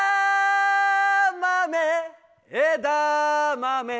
まめ。